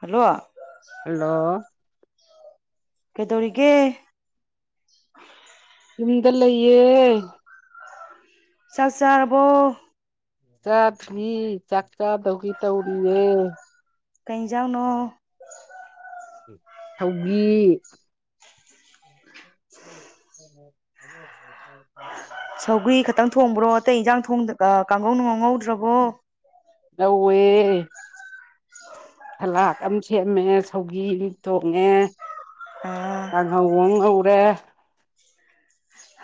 hello hello ꯀꯩꯗꯧꯔꯤꯒꯦ ꯌꯨꯝꯗ ꯂꯩꯌꯦ ꯆꯥꯛ ꯆꯥꯔꯕꯣ ꯆꯥꯗꯔꯤ ꯆꯥꯛ ꯆꯥꯗꯧꯒꯤ ꯇꯧꯔꯤꯌꯦ ꯀꯩꯖꯥꯡꯅꯣ ꯁꯥꯎꯒꯤ [inaudible] ꯁꯧꯒꯔꯤ ꯈꯛꯇꯪ ꯊꯣꯡꯕ꯭ꯔꯣ ꯑꯇꯩ ꯏꯟꯖꯥꯡ ꯊꯣꯡꯗ ꯑꯥ ꯀꯥꯡꯉꯧꯅꯅꯨꯡ ꯉꯧꯗ꯭ꯔꯕꯣ ꯉꯧꯋꯦ ꯁꯂꯥꯛ ꯑꯃ ꯁꯦꯝꯃꯦ ꯁꯧꯒꯤ ꯑꯃ ꯇꯣꯡꯉꯦ ꯑꯥ ꯊꯪꯉꯧ ꯑꯝ ꯉꯧꯔꯦ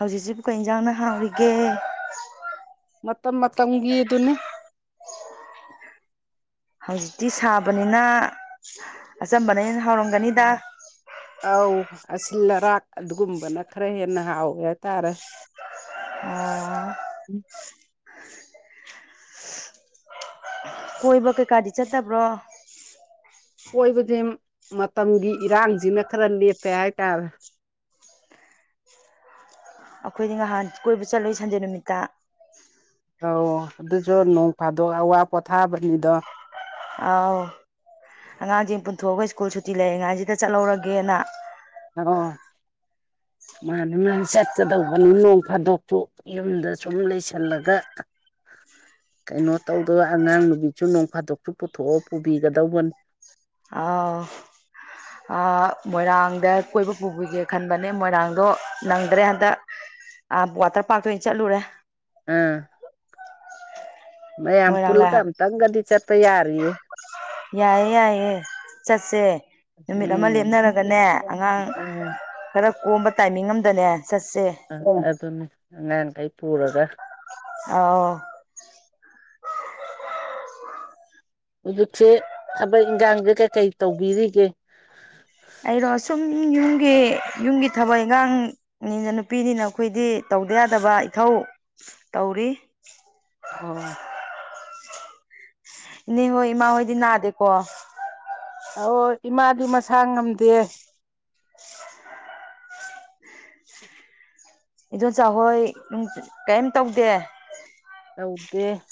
ꯍꯧꯖꯤꯛꯁꯤꯕꯨ ꯀꯩ ꯌꯦꯟꯖꯥꯡꯅ ꯍꯥꯎꯔꯤꯒꯦ ꯃꯇꯝ ꯃꯇꯝꯒꯤ ꯑꯗꯨꯅꯤ ꯍꯧꯖꯤꯛꯇꯤ ꯁꯥꯕꯅꯤꯅ ꯑꯆꯝꯕꯅ ꯍꯦꯟꯅ ꯍꯥꯎꯔꯝꯒꯅꯤꯗ ꯑꯧ ꯑꯁꯤꯜ ꯑꯔꯥꯛ ꯑꯗꯨꯒꯨꯝꯕꯅ ꯈꯔ ꯍꯦꯟꯅ ꯍꯥꯎꯋꯦ ꯍꯥꯏꯇꯥꯔꯦ ꯑꯣ ꯀꯣꯏꯕ ꯀꯩꯀꯥꯗꯤ ꯆꯠꯇꯕ꯭ꯔꯣ ꯀꯣꯏꯕꯗꯤ ꯃꯇꯝꯒꯤ ꯏꯔꯥꯡꯁꯤꯅ ꯈꯔ ꯂꯦꯞꯄꯦ ꯍꯥꯏꯇꯥꯔꯦ ꯑꯩꯈꯣꯏꯗꯤ ꯅꯍꯥꯟ ꯀꯣꯏꯕ ꯆꯠꯂꯨꯏ ꯁꯟꯗꯦ ꯅꯨꯃꯤꯠꯇ ꯑꯧ ꯑꯗꯨꯁꯨ ꯅꯣꯡ ꯐꯥꯗꯣꯛ ꯑꯋꯥ ꯄꯣꯊꯥꯕꯅꯤꯗꯣ ꯑꯥꯎ ꯑꯉꯥꯡꯁꯤꯡ ꯄꯨꯟꯊꯣꯛꯑꯒ ꯁ꯭ꯀꯨꯜ ꯁꯨꯇꯤ ꯂꯩꯔꯤꯉꯥꯏꯁꯤꯗ ꯆꯠꯍꯧꯔꯒꯦꯅ ꯑꯣ ꯃꯥꯅꯤ ꯃꯥꯅꯤ ꯆꯠꯀꯗꯧꯕꯅꯤ ꯅꯣꯡ ꯐꯥꯗꯣꯛꯁꯨ ꯌꯨꯝꯗ ꯁꯨꯝ ꯂꯩꯁꯜꯂꯒ ꯀꯩꯅꯣ ꯇꯧꯗꯕ ꯑꯉꯥꯡ ꯅꯨꯕꯤꯁꯨ ꯅꯣꯡ ꯐꯥꯗꯣꯛꯁꯨ ꯄꯨꯊꯣꯛꯑ ꯄꯨꯕꯤꯒꯗꯧꯕꯅꯤ ꯑꯥꯎ ꯑꯥ ꯃꯣꯏꯔꯥꯡꯗ ꯀꯣꯏꯕ ꯄꯨꯕꯤꯒꯦ ꯈꯟꯕꯅꯦ ꯃꯣꯏꯔꯥꯡꯗꯣ ꯅꯪꯗ꯭ꯔꯦ ꯍꯟꯗꯛ ꯑ ꯋꯥꯇꯔ ꯄꯥꯔꯛꯇ ꯑꯣꯏꯅ ꯆꯠꯂꯨꯔꯦ ꯑꯥ ꯃꯌꯥꯝ ꯃꯣꯏꯔꯥꯡ ꯄꯨꯜꯂꯒ ꯂꯥꯏ ꯑꯝꯇꯪꯒꯗꯤ ꯆꯠꯄ ꯌꯥꯔꯤꯌꯦ ꯌꯥꯏꯌꯦ ꯌꯥꯏꯌꯦ ꯆꯠꯁꯦ ꯅꯨꯃꯤꯠ ꯑꯃ ꯎꯝ ꯂꯦꯞꯅꯔꯒꯅꯦ ꯑꯉꯥꯡ ꯑ ꯈꯔ ꯀꯣꯝꯕ ꯇꯥꯏꯃꯤꯡ ꯑꯃꯗꯅꯦ ꯆꯠꯁꯦ ꯑꯗꯨꯅꯤ ꯑꯉꯥꯡꯈꯩ ꯄꯨꯔꯒ ꯑꯧ ꯍꯧꯖꯤꯛꯁꯦ ꯊꯕꯛ ꯏꯟꯈꯥꯡꯁꯦ ꯀꯩꯀꯩ ꯇꯧꯕꯤꯔꯤꯒꯦ ꯑꯩꯔꯣ ꯁꯨꯝ ꯌꯨꯝꯒꯤ ꯌꯨꯝꯒꯤ ꯊꯕꯛ ꯏꯪꯈꯥꯡ ꯑꯅ ꯅꯨꯄꯤꯅꯤꯅ ꯑꯩꯈꯣꯏꯗꯤ ꯇꯧꯗ ꯌꯥꯗꯕ ꯏꯊꯧ ꯇꯧꯔꯤ ꯑꯣ ꯏꯅꯦꯍꯣꯏ ꯏꯃꯥ ꯍꯣꯏꯗꯤ ꯅꯥꯗꯦꯀꯣ ꯑꯣ ꯏꯃꯥꯗꯤ ꯃꯁꯥ ꯉꯝꯗꯦ [inaudible] ꯏꯗꯣꯝꯆꯥꯍꯣꯏ ꯀꯩꯝ ꯇꯧꯗꯦ ꯇꯧꯗꯦ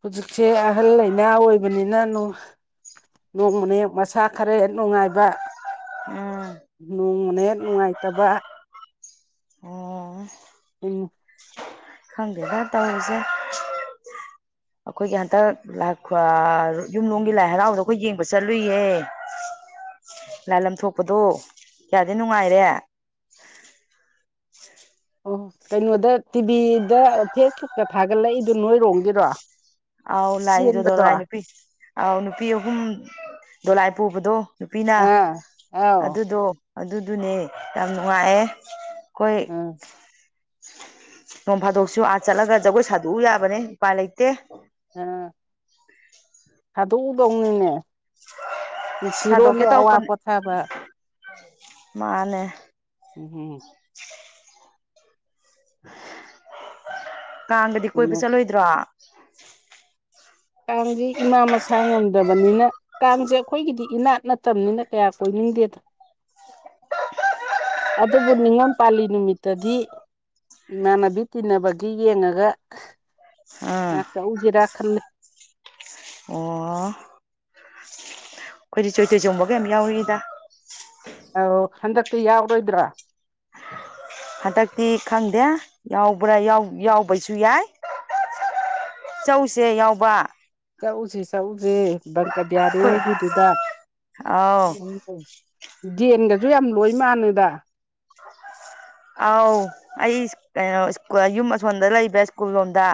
ꯍꯧꯖꯤꯛꯁꯦ ꯑꯍꯜ ꯂꯥꯏꯅꯥ ꯑꯣꯏꯕꯅꯤꯅ ꯅꯣꯡꯃꯅ ꯍꯦꯛ ꯃꯁꯥ ꯈꯔ ꯍꯦꯠ ꯅꯨꯡꯉꯥꯏꯕ ꯎꯝ ꯅꯣꯡꯃꯅꯦ ꯅꯨꯡꯉꯥꯏꯇꯕ ꯑꯣ ꯎꯝ ꯈꯪꯗꯦꯗ ꯇꯧꯔꯤꯁꯦ ꯑꯩꯈꯣꯏꯒꯤ ꯍꯟꯇꯛ ꯌꯨꯝꯂꯣꯡꯒꯤ ꯂꯥꯏ ꯍꯔꯥꯎꯕꯗ ꯑꯩꯈꯣꯏ ꯌꯦꯡꯕ ꯆꯠꯂꯨꯏꯌꯦ ꯂꯥꯏꯂꯝ ꯊꯣꯛꯄꯗꯣ ꯀꯌꯥꯗꯤ ꯅꯨꯡꯉꯥꯏꯔꯦ ꯑꯣ ꯀꯩꯅꯣꯗ ꯇꯤꯚꯤꯗ ꯐꯦꯁꯕꯨꯛꯇ ꯊꯥꯒꯠꯂꯛꯏꯗꯣ ꯅꯣꯏꯔꯣꯝꯒꯤꯔꯣ ꯑꯥꯎ ꯂꯥꯏꯗꯣ ꯆꯦꯟꯕꯗꯣ ꯗꯣꯂꯥꯏ ꯅꯨꯄꯤ ꯑꯥꯎ ꯅꯨꯄꯤ ꯑꯍꯨꯝ ꯗꯣꯂꯥꯏ ꯄꯨꯕꯗꯣ ꯅꯨꯄꯤꯅ ꯑꯥ ꯑꯥꯎ ꯑꯗꯨꯗꯣ ꯑꯗꯨꯗꯨꯅꯦ ꯌꯥꯝ ꯅꯨꯡꯉꯥꯏꯌꯦ ꯑꯩꯈꯣꯏ ꯑꯥ ꯅꯣꯡ ꯐꯥꯗꯣꯛꯁꯨ ꯑꯥ ꯆꯠꯂꯒ ꯖꯒꯣꯏ ꯁꯥꯗꯣꯛꯎ ꯌꯥꯕꯅꯦ ꯎꯄꯥꯏ ꯂꯩꯇꯦ ꯑꯥ ꯊꯥꯗꯣꯛꯎꯗꯧꯅꯤꯅꯦ ꯁꯥꯗꯣꯛꯀꯦ ꯅꯨꯡꯁꯤꯔꯣꯅꯦ ꯑꯋꯥ ꯇꯧꯕꯅꯦ ꯄꯣꯊꯥꯕ ꯃꯥꯅꯦ ꯎꯝ ꯍꯝ [unintelligible] ꯀꯥꯡꯒꯗꯤ ꯀꯣꯏꯕ ꯀꯩꯅꯣ ꯆꯠꯂꯣꯏꯗ꯭ꯔꯣ ꯀꯥꯡꯁꯦ ꯏꯃꯥ ꯃꯁꯥ ꯉꯝꯗꯕ ꯅꯤꯅ ꯀꯥꯡꯁꯦ ꯑꯩꯈꯣꯏꯒꯤꯗꯤ ꯏꯅꯥꯠ ꯅꯠꯇꯕꯅꯤꯅ ꯀꯌꯥ ꯀꯣꯏꯅꯤꯡꯗꯦꯗ ꯑꯗꯨꯕꯨ ꯅꯤꯉꯣꯝ ꯄꯥꯜꯂꯤ ꯅꯨꯃꯤꯠꯇꯗꯤ ꯏꯃꯥꯟꯅꯕꯤ ꯇꯤꯟꯅꯕꯒꯤ ꯌꯦꯡꯉꯒ ꯑꯣ ꯉꯥꯛꯇꯎꯁꯤꯔꯥ ꯈꯜꯂꯤ ꯑꯣ ꯑꯩꯈꯣꯏꯗꯤ ꯆꯣꯏ ꯆꯣꯡꯕꯒ ꯌꯥꯝ ꯌꯥꯎꯔꯤꯗ ꯑ ꯍꯟꯗꯛꯇꯤ ꯌꯥꯎꯔꯣꯏꯗ꯭ꯔꯥ ꯍꯟꯗꯛꯇꯤ ꯈꯪꯗꯦ ꯌꯥꯎꯕ꯭ꯔꯥ ꯌꯥꯎꯕꯁꯨ ꯌꯥꯏ ꯆꯧꯁꯦ ꯌꯥꯎꯕ ꯆꯛꯎꯁꯤ ꯆꯛꯎꯁꯦ ꯕꯪꯀꯕꯤꯌꯥꯔꯤ ꯍꯣꯏꯒꯤꯗꯨꯗ ꯑꯧ ꯌꯦꯖꯦꯟꯒꯁꯨ ꯌꯥꯝ ꯂꯣꯏ ꯃꯥꯟꯅꯗ [unintelligible] ꯑꯥꯎ ꯑꯩ ꯀꯩꯅꯣ ꯌꯨꯝ ꯑꯁꯣꯟꯗ ꯂꯩꯕ꯭ꯔ ꯁ꯭ꯀꯨꯜ ꯂꯣꯝꯗ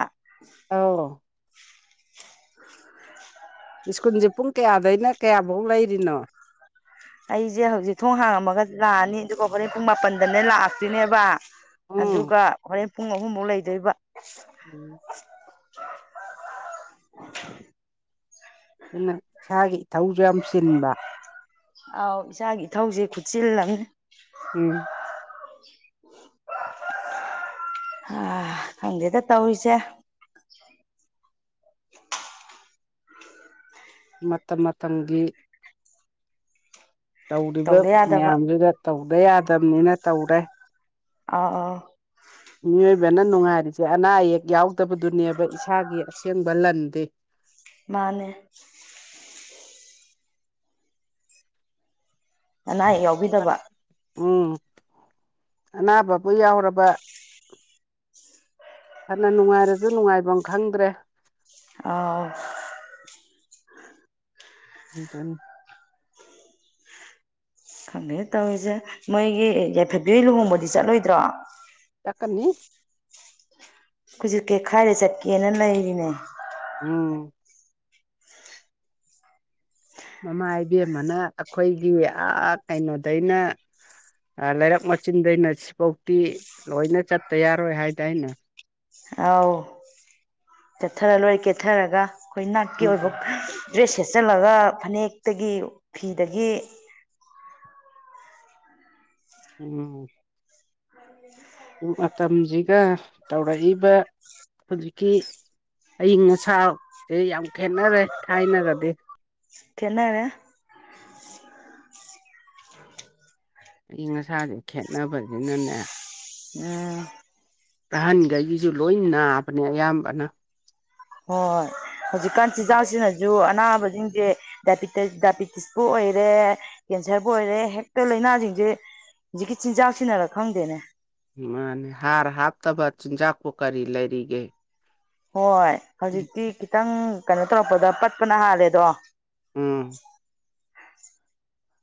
ꯑꯥꯎ ꯁ꯭ꯀꯨꯜꯁꯦ ꯄꯨꯡ ꯀꯌꯥꯗꯩꯅ ꯀꯌꯥꯐꯧ ꯂꯩꯔꯤꯅꯣ ꯑꯩꯁꯦ ꯍꯧꯖꯤꯛ ꯊꯣꯡ ꯍꯥꯡꯉꯝꯃꯒ ꯂꯥꯛꯑꯅꯤ ꯑꯗꯨꯒ ꯍꯣꯔꯦꯟ ꯄꯨꯡ ꯃꯥꯄꯟꯗꯅꯦ ꯂꯥꯛꯇꯣꯏꯅꯦꯕ ꯎꯝ ꯑꯗꯨꯒ ꯍꯣꯔꯦꯟ ꯄꯨꯡ ꯑꯍꯨꯝꯃꯨꯛ ꯂꯩꯗꯣꯏꯕ ꯎꯝ ꯑꯗꯨꯅ ꯏꯁꯥꯒꯤ ꯏꯊꯧꯁꯨ ꯌꯥꯝ ꯆꯤꯟꯕ ꯑꯥꯎ ꯏꯆꯥꯒꯤ ꯏꯊꯧꯁꯤꯦ ꯈꯨꯠꯆꯤꯜꯂꯝꯅꯤ ꯎꯝ [inaudible] ꯑ ꯈꯪꯗꯦꯗ ꯇꯧꯔꯤꯁꯦ ꯃꯇꯝ ꯃꯇꯝꯒꯤ ꯇꯧꯔꯤꯕ ꯇꯧꯗ ꯌꯥꯗꯕ ꯃꯌꯥꯝꯗꯨꯗ ꯇꯧꯗ ꯌꯥꯗꯕꯅꯤꯅ ꯇꯧꯔꯦ ꯑꯥ ꯃꯤꯑꯣꯏꯕꯅ ꯅꯨꯡꯉꯥꯏꯔꯤꯁꯦ ꯑꯅꯥ ꯑꯌꯦꯛ ꯌꯥꯎꯗꯕꯗꯨꯅꯦꯕ ꯏꯁꯥꯒꯤ ꯑꯁꯦꯡꯕ ꯂꯟꯗꯤ ꯃꯥꯅꯦ [inaudible] ꯅꯥꯏ ꯎꯝ ꯑꯅꯥꯕꯕꯨ ꯌꯥꯎꯔꯕ ꯐꯅ ꯅꯨꯡꯉꯥꯏꯔꯁꯨ ꯅꯨꯡꯉꯥꯏꯐꯝ ꯈꯪꯗ꯭ꯔꯦ ꯑ ꯎꯇꯣꯏꯅꯤ ꯈꯪꯒꯦ ꯇꯧꯔꯤꯁꯦ ꯃꯣꯏꯒꯤ ꯌꯥꯏꯐꯕꯤ ꯂꯨꯍꯣꯡꯕꯗꯤ ꯆꯠꯂꯣꯏꯗ꯭ꯔꯣ ꯆꯀꯔꯅꯤ ꯍꯧꯖꯤꯛ ꯀꯩ ꯈꯥꯏꯔꯦ ꯆꯠꯀꯦꯅ ꯂꯩꯔꯤꯅꯦ ꯎꯝ ꯃꯃꯥ ꯏꯕꯦꯝ ꯑꯃꯅ ꯑꯩꯈꯣꯏꯒꯤ ꯀꯩꯅꯣꯗꯩꯅ ꯂꯩꯔꯛ ꯃꯆꯤꯟꯗꯩꯅ ꯁꯤꯐꯥꯎꯇꯤ ꯂꯣꯏꯅ ꯆꯠꯇ ꯌꯥꯔꯣꯏ ꯍꯥꯏꯗꯥ ꯑꯅ ꯑꯥꯎ ꯀꯠꯊꯔ ꯂꯣꯏꯔꯦ ꯀꯦꯠꯊꯔꯒ ꯑꯩꯈꯣꯏ ꯅꯥꯠꯀꯤ ꯑꯣꯏꯕ ꯎꯝ ꯗ꯭ꯔꯦꯁ ꯁꯦꯠꯆꯜꯂꯒ ꯐꯅꯦꯛꯇꯒꯤ ꯐꯤꯗꯒꯤ ꯎꯝ ꯃꯇꯝꯁꯤꯒ ꯇꯧꯔꯛꯏꯕ ꯍꯧꯖꯤꯛꯀꯤ ꯑꯏꯤꯡ ꯑꯁꯥꯁꯤꯦ ꯌꯥꯝ ꯈꯦꯠꯅꯔꯦ ꯊꯥꯏꯅꯒꯗꯤ ꯊꯅꯔꯦ ꯑꯏꯪ ꯑꯁꯥꯁꯦ ꯈꯦꯠꯅꯕꯁꯤꯅꯅꯦ ꯎꯝ ꯑꯍꯟꯈꯩꯒꯤꯁꯨ ꯂꯣꯏ ꯅꯥꯕꯅꯦ ꯑꯌꯥꯝꯕꯅ ꯍꯣꯏ ꯍꯧꯖꯤꯛꯀꯥꯟ ꯆꯤꯟꯖꯥꯛꯁꯤꯅꯁꯨ ꯑꯅꯥꯕꯁꯤꯡꯁꯦ ꯗꯥꯏꯕꯤꯇꯤꯁꯄꯨ ꯑꯣꯏꯔꯦ ꯀꯦꯟꯁꯔꯕꯨ ꯑꯣꯏꯔꯦ ꯍꯦꯛꯇ ꯂꯥꯏꯅꯥꯁꯤꯡꯁꯦ ꯍꯧꯖꯤꯛꯀꯤ ꯆꯤꯟꯖꯥꯛ ꯁꯤꯟꯅꯔ ꯈꯪꯗꯦꯅꯦ ꯃꯥꯅꯦ ꯍꯥꯔ ꯍꯥꯞꯇꯕ ꯆꯤꯟꯖꯥꯛꯄꯨ ꯀꯔꯤ ꯂꯩꯔꯤꯒꯦ ꯍꯣꯏ ꯍꯧꯖꯤꯛꯇꯤ ꯈꯤꯇꯪ ꯀꯩꯅꯣ ꯇꯧꯔꯛꯄꯗ ꯄꯠꯄꯅ ꯍꯥꯜꯂꯦꯗꯣ ꯎꯝ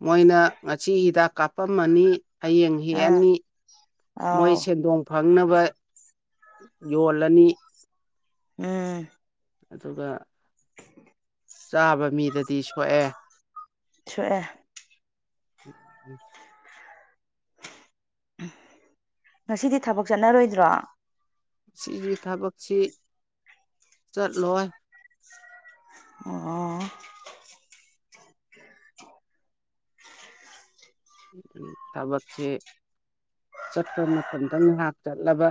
ꯃꯣꯏꯅ ꯉꯥꯁꯤ ꯍꯤꯗꯥꯛ ꯀꯥꯞꯄꯝꯃꯅꯤ ꯍꯌꯦꯡ ꯑꯥ ꯍꯦꯛꯑꯅꯤ ꯃꯣꯏ ꯑꯥꯎ ꯁꯦꯟꯗꯣꯡ ꯐꯪꯅꯕ ꯌꯣꯜꯂꯅꯤ ꯎꯝ ꯑꯗꯨꯒ ꯆꯥꯕ ꯃꯤꯗꯗꯤ ꯁꯣꯛꯑꯦ ꯁꯨꯑꯦ ꯉꯁꯤꯗꯤ ꯊꯕꯛ ꯆꯠꯅꯔꯣꯏꯗ꯭ꯔꯣ ꯁꯤꯒꯤ ꯊꯕꯛꯁꯤ ꯆꯠꯂꯣꯏ ꯑꯣ [inaudible] ꯊꯕꯛꯁꯦ ꯆꯠꯄ ꯃꯇꯝꯗ ꯉꯥꯏꯍꯥꯛ ꯆꯠꯂꯕ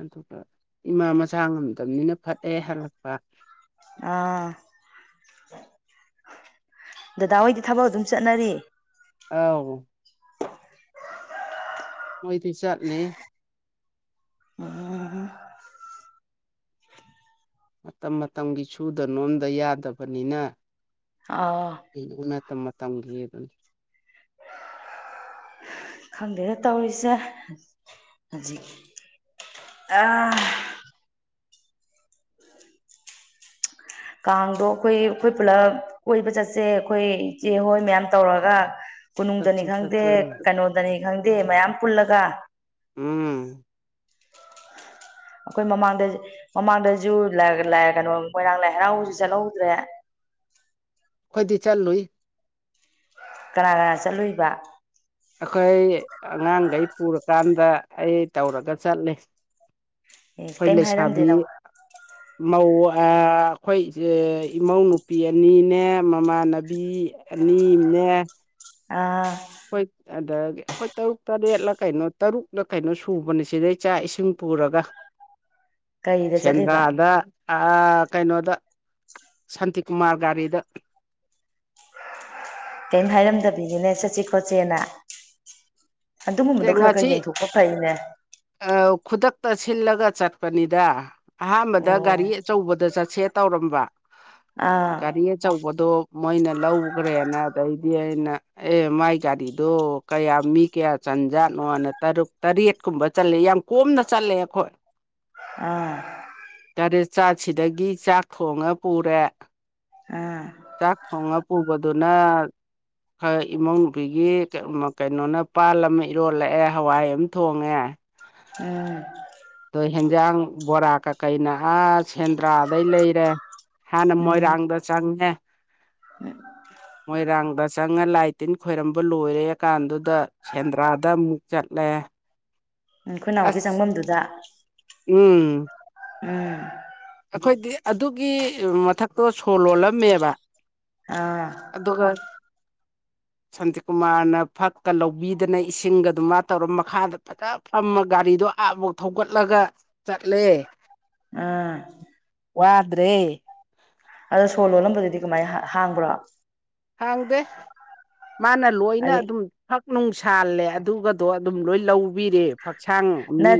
ꯑꯗꯨꯒ ꯏꯃꯥ ꯃꯆꯥ ꯉꯝꯗꯕꯅꯤꯅ ꯐꯠꯑꯦ ꯍꯜꯂꯛꯄ ꯑꯥ ꯗꯗꯥ ꯍꯣꯏꯗꯤ ꯊꯕꯛ ꯑꯗꯨꯝ ꯆꯠꯅꯔꯤ ꯑ ꯃꯣꯏꯗꯤ ꯆꯠꯂꯤ ꯎꯝ ꯃꯇꯝ ꯃꯇꯝꯒꯤ ꯁꯨꯗ ꯅꯣꯝꯗ ꯌꯥꯗꯕꯅꯤꯅ ꯑꯥ ꯎ ꯃꯇꯝ ꯃꯇꯝꯒꯤ ꯑꯗꯨꯅꯤ ꯈꯪꯗꯦꯅ ꯇꯧꯔꯤꯁꯦ ꯍꯧꯖꯤꯛ ꯑ ꯀꯥꯡꯗꯣ ꯑꯩꯈꯣꯏ ꯑꯩꯈꯣꯏ ꯄꯨꯂꯞ ꯀꯣꯏꯕ ꯆꯠꯁꯦ ꯑꯩꯈꯣꯏ ꯏꯆꯦ ꯍꯣꯏ ꯃꯌꯥꯝ ꯇꯧꯔꯒ ꯀꯣꯅꯨꯡꯗꯅꯤ ꯆꯠꯁꯤ ꯈꯪꯗꯦ ꯆꯠꯁꯤ ꯀꯩꯅꯣꯗꯅꯤ ꯈꯪꯗꯦ ꯃꯌꯥꯝ ꯄꯨꯜꯂꯒ ꯎꯝ ꯑꯩꯈꯣꯏ ꯃꯃꯥꯡꯗ ꯃꯃꯥꯡꯗꯁꯨ ꯀꯩꯅꯣ ꯃꯣꯏꯔꯥꯡ ꯂꯥꯏ ꯍꯔꯥꯎꯕꯁꯨ ꯆꯠꯍꯧꯗ꯭ꯔꯦ ꯑꯩꯈꯣꯏꯗꯤ ꯆꯠꯂꯨꯏ ꯀꯅꯥ ꯀꯅꯥ ꯆꯠꯂꯨꯏꯕ ꯑꯩꯈꯣꯏ ꯑꯉꯥꯡꯈꯩ ꯄꯨꯔꯀꯥꯟꯗ ꯑꯩ ꯇꯧꯔꯒ ꯆꯠꯂꯤ ꯈꯣꯏ ꯂꯩꯁꯕꯤ ꯇꯨꯇ [inaudible] ꯃꯧ ꯑꯩꯈꯣꯏ ꯏꯃꯧ ꯅꯨꯨꯄꯤ ꯑꯅꯤꯅꯦ ꯃꯃꯥꯟꯅꯕꯤ ꯑꯅꯤꯃꯥꯅꯦ ꯑꯥ ꯍꯣꯏ ꯑꯗ ꯑꯩꯈꯣꯏ ꯇꯔꯨꯛ ꯇꯔꯦꯠꯂ ꯀꯩꯅꯣ ꯇꯔꯨꯛꯂ ꯀꯩꯅꯣ ꯁꯨꯕꯅꯦ ꯁꯤꯗꯩ ꯆꯥꯛ ꯏꯁꯤꯡ ꯄꯨꯔꯒ ꯀꯔꯤꯗ ꯆꯠꯂꯤꯕ ꯁꯦꯟꯗ꯭ꯔꯥꯗ ꯑ ꯀꯩꯅꯣꯗ ꯁꯥꯟꯇꯤꯀꯨꯃꯥꯔ ꯒꯥꯔꯤꯗ ꯀꯩꯝ ꯍꯥꯏꯔꯝꯗꯕꯤꯅꯤꯅꯦ ꯆꯠꯁꯦ ꯈꯣꯠꯆꯦꯅ ꯑꯗꯨꯒꯨꯝꯕꯗꯣ ꯈꯔ ꯈꯔ ꯌꯦꯡꯊꯣꯛꯄ ꯐꯩꯅꯦ ꯑ ꯈꯨꯗꯛꯇ ꯁꯤꯜꯂꯒ ꯆꯠꯄꯅꯤꯗ ꯑꯍꯥꯝꯕꯗ ꯒꯥꯔꯤ ꯑꯣ ꯑꯆꯧꯕꯗ ꯆꯠꯁꯦ ꯇꯧꯔꯝꯕ ꯑꯥ ꯒꯥꯔꯤ ꯑꯆꯧꯕꯗꯣ ꯃꯣꯏꯅ ꯂꯧꯒ꯭ꯔꯦꯅ ꯑꯗꯩꯗꯤ ꯑꯩꯅ ꯑꯦ ꯃꯥꯏ ꯒꯥꯔꯤꯗꯣ ꯀꯌꯥꯝ ꯃꯤ ꯀꯌꯥ ꯆꯟꯖꯥꯠꯅꯣꯅ ꯇꯔꯨꯛ ꯇꯔꯦꯠꯀꯨꯝꯕ ꯆꯜꯂꯦ ꯌꯥꯝ ꯀꯣꯝꯅ ꯆꯠꯂꯦ ꯑꯩꯈꯣꯏ ꯑꯥ ꯇꯔꯦꯠ ꯆꯥꯛ ꯁꯤꯗꯒꯤ ꯆꯥꯛ ꯊꯣꯡꯉ ꯄꯨꯔꯦ ꯑꯥ ꯆꯥꯛ ꯊꯣꯡꯉ ꯄꯨꯕꯗꯨꯅ ꯈꯔ ꯏꯃꯧꯅꯨꯨꯄꯤꯒꯤ ꯀꯩ ꯃꯥ ꯀꯩꯅꯣꯅ ꯄꯥꯜꯂꯞ ꯑꯃ ꯏꯔꯣꯜꯂꯛꯑꯦ ꯍꯋꯥꯏ ꯑꯃ ꯊꯣꯡꯉꯦ [unintelligible] ꯑꯗꯣ ꯍꯦꯟꯖꯥꯡ ꯕꯣꯔꯥ ꯀꯀꯩꯅ ꯑ ꯁꯦꯟꯗ꯭ꯔꯥꯗꯩ ꯂꯩꯔꯦ ꯍꯥꯟꯅ ꯎꯝ ꯃꯣꯏꯔꯥꯡꯗ ꯆꯪꯉꯦ ꯃꯣꯏꯔꯥꯡꯗ ꯆꯪꯉ ꯂꯥꯏ ꯇꯤꯟ ꯈꯣꯏꯔꯝꯕ ꯂꯣꯏꯔꯦ ꯀꯥꯟꯗꯨꯗ ꯁꯦꯟꯗ꯭ꯔꯥꯗ ꯑꯃꯨꯛ ꯆꯠꯂꯦ ꯎꯝ ꯈꯣꯏꯅꯥꯎꯒꯤ ꯑꯁ ꯆꯪꯕꯝꯗꯨꯗ ꯎꯝ ꯑꯈꯣꯏꯗꯤ ꯑꯗꯨꯒꯤ ꯃꯊꯛꯇꯣ ꯁꯣ ꯂꯣꯜꯂꯝꯃꯦꯕ ꯑꯥ ꯑꯗꯨꯒ ꯁꯥꯟꯇꯤꯀꯨꯃꯥꯔꯅ ꯐꯛꯀ ꯂꯧꯕꯤꯗꯅ ꯏꯁꯤꯡꯒꯗꯨ ꯃꯥꯇꯧꯔ ꯃꯈꯥꯗ ꯑꯇꯥ ꯐꯃꯥ ꯒꯥꯔꯤꯗꯣ ꯑꯥꯕꯧ ꯊꯧꯒꯠꯂꯒ ꯆꯠꯂꯦ ꯑꯥ ꯋꯥꯗ꯭ꯔꯦ ꯑꯗꯣ ꯁꯣ ꯂꯣꯜꯂꯝꯕꯗꯨꯗꯤ ꯀꯃꯥꯏꯟ ꯍꯥꯡꯕ꯭ꯔꯣ ꯍꯥꯡꯗꯦ ꯃꯥꯅ ꯂꯣꯏꯅ ꯍꯥꯏꯗꯤ ꯑꯗꯨꯝ ꯐꯛ ꯅꯨꯡ ꯁꯥꯜꯂꯦ ꯑꯗꯨꯒꯗꯣ ꯑꯗꯨꯝ ꯂꯣꯏ ꯂꯧꯕꯤꯔꯦ ꯐꯛꯁꯥꯡ ꯑꯅꯤ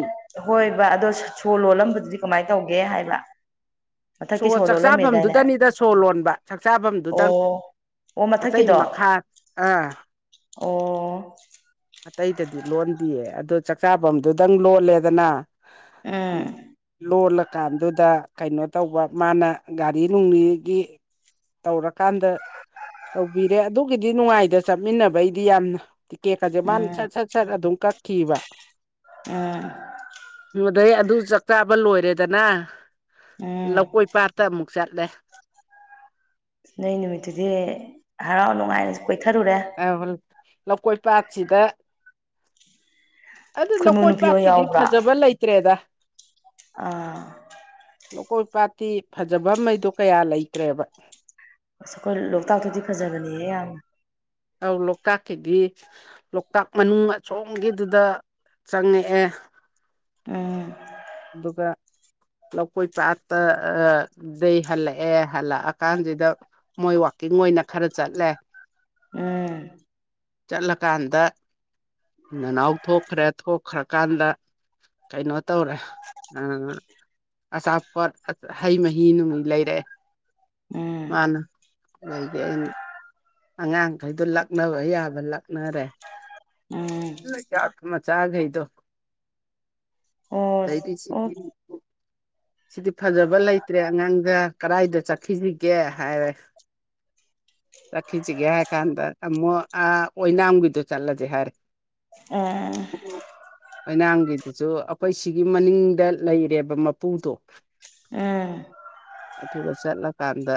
ꯍꯣꯏꯑꯕ ꯑꯗꯣ ꯁꯣ ꯂꯣꯜꯂꯝꯕꯗꯨꯗꯤ ꯀꯃꯥꯏ ꯇꯧꯒꯦ ꯍꯥꯏꯕ ꯁꯣ ꯃꯊꯛꯀꯤ ꯂꯣꯜꯂꯝꯃꯦꯗꯥꯏꯅꯦ ꯆꯥꯛꯆꯥꯥꯕꯝꯗꯨꯗꯅꯤꯗ ꯁꯣ ꯂꯣꯟꯕ ꯆꯥꯛꯆꯥꯥꯕꯝꯗꯨꯗꯪ ꯑꯣ ꯑꯣ ꯑꯇꯩ ꯃꯊꯛꯀꯤꯗꯣ ꯃꯈꯥ ꯑ ꯑꯣ ꯑꯇꯩꯗꯗꯤ ꯂꯣꯟꯗꯤꯌꯦ ꯑꯗꯣ ꯆꯥꯛꯆꯥꯥꯕꯝꯗꯨꯗꯪ ꯂꯣꯜꯂꯦꯗꯅ ꯎꯝ ꯂꯣꯜꯂꯀꯥꯟꯗꯨꯗ ꯀꯩꯅꯣ ꯇꯧꯕ ꯃꯥꯅ ꯒꯥꯔꯤ ꯅꯨꯡꯂꯤꯒꯤ ꯇꯧꯔꯀꯥꯟꯗ ꯇꯧꯕꯤꯔꯦ ꯑꯗꯨꯒꯤꯗꯤ ꯅꯨꯡꯉꯥꯏꯗ ꯆꯠꯃꯤꯟꯅꯕꯩꯗꯤ ꯌꯥꯝꯅ ꯇꯤꯀꯦꯠ ꯀꯥꯖꯦ ꯃꯥꯅ ꯎꯝ ꯁꯠ ꯁꯠ ꯁꯠ ꯑꯗꯨꯝ ꯀꯛꯈꯤꯕ ꯑꯥ ꯗꯨꯗꯩ ꯑꯗꯨ ꯆꯥꯛ ꯆꯥꯕ ꯂꯣꯏꯔꯦꯗꯅ ꯎꯝ ꯂꯧꯀꯣꯏ ꯄꯥꯠꯇ ꯑꯃꯨꯛ ꯆꯠꯂꯦ ꯅꯣꯏ ꯅꯨꯃꯤꯠꯇꯨꯗꯤ ꯍꯔꯥꯎ ꯅꯨꯡꯉꯥꯏꯅꯁꯨ ꯀꯣꯏꯊꯔꯨꯔꯦ ꯑꯔꯋꯤꯜ ꯂꯧꯀꯣꯏ ꯄꯥꯠꯁꯤꯗ ꯑꯗꯨ ꯈꯣꯏꯃꯨ ꯂꯧꯀꯣꯏ ꯅꯨꯄꯤ ꯍꯣꯏ ꯄꯥꯠꯀꯤꯗꯤ ꯌꯥꯎꯕ꯭ꯔꯣ ꯐꯖꯕ ꯂꯩꯇ꯭ꯔꯦꯗ ꯑꯥ ꯂꯧꯀꯣꯏ ꯄꯥꯠꯇꯤ ꯐꯖꯕꯝꯑꯩꯗꯣ ꯀꯌꯥ ꯂꯩꯇ꯭ꯔꯦꯕ ꯑꯁ ꯑꯩꯈꯣꯏ ꯂꯣꯛꯇꯥꯛꯇꯨꯗꯤ ꯐꯖꯕꯅꯦꯍꯦ ꯌꯥꯝꯅ ꯑꯧ ꯂꯣꯛꯇꯥꯛꯀꯤꯗꯤ ꯂꯣꯛꯇꯥꯛ ꯃꯅꯨꯡ ꯑꯁꯣꯝꯒꯤꯗꯨꯗ ꯆꯪꯉꯛꯑꯦ ꯎꯝ ꯑꯗꯨꯒ ꯂꯧꯀꯣꯏ ꯄꯥꯠꯇ ꯑ ꯗꯩ ꯍꯜꯂꯛꯑꯦ ꯍꯜꯂꯛꯑꯀꯥꯟꯖꯤꯗ ꯃꯣꯏ ꯋꯥꯛꯀꯤꯡ ꯑꯣꯏꯅ ꯈꯔ ꯆꯠꯂꯦ ꯑꯦ ꯆꯠꯂꯀꯥꯟꯗ ꯅꯅꯥꯎ ꯊꯣꯛꯈ꯭ꯔꯦ ꯊꯣꯛꯈ꯭ꯔꯀꯥꯟꯗ ꯀꯩꯅꯣ ꯇꯧꯔꯦ ꯎ ꯑꯆꯥꯄꯣꯠ ꯍꯩ ꯃꯍꯤ ꯅꯨꯡꯃꯩ ꯂꯩꯔꯦ ꯎꯝ ꯃꯥꯅ ꯂꯤꯗꯦꯑꯩꯅ ꯑꯉꯥꯡꯈꯩꯗꯣ ꯂꯛꯅꯕ ꯌꯥꯕ ꯂꯛꯅꯔꯦ ꯎꯝ ꯆꯥꯥꯛ ꯑꯃ ꯆꯥꯒꯩꯏꯗꫭ ꯑꯣ ꯇꯩꯗꯤ ꯑꯣ ꯁꯤꯃꯤꯟ ꯁꯤꯗꯤ ꯐꯖꯕ ꯂꯩꯇ꯭ꯔꯦ ꯑꯉꯥꯡꯗ ꯀꯗꯥꯏꯗ ꯆꯠꯈꯤꯁꯤꯒꯦ ꯍꯥꯏꯔꯦ ꯆꯈꯤꯁꯤꯒꯦ ꯍꯥꯏ ꯀꯥꯟꯗ ꯑꯃꯛ ꯑ ꯑꯣꯏꯅꯥꯝꯒꯤꯗꯣ ꯆꯠꯂꯁꯦ ꯍꯥꯏꯔꯦ ꯑꫭ ꯑꯣꯏꯅꯥꯝꯒꯤꯗꯨꯁꯨ ꯑꯩꯈꯣꯏ ꯁꯤꯒꯤ ꯃꯅꯤꯡꯗ ꯂꯩꯔꯦꯕ ꯃꯄꯨꯗꯣ ꯎꯝ ꯑꯗꯨꯒ ꯆꯠꯂꯀꯥꯟꯗ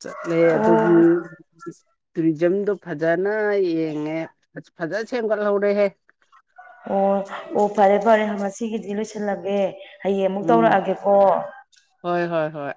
ꯆꯠꯂꯦ ꯑꯣ ꯑꯗꯨꯒꯤ [unintelligible] ꯇꯨꯔꯤꯖꯝꯗꯣ ꯐꯖꯅ ꯌꯦꯡꯉꯦ ꯐꯖꯅ ꯁꯦꯝꯒꯠꯍꯧꯔꯦꯍꯦ ꯑꯣ ꯑꯣ ꯐꯔꯦ ꯐꯔꯦ ꯉꯁꯤꯒꯤꯗꯤ ꯂꯣꯏꯁꯤꯜꯂꯒꯦ ꯍꯌꯦꯡ ꯑꯃꯨꯛ ꯎꯝ ꯇꯧꯔꯛꯑꯒꯦꯀꯣ ꯍꯣꯏ ꯍꯣꯏ ꯍꯣꯏ